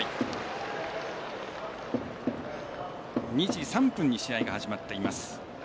２時３分に試合が始まっています。